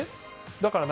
だから何？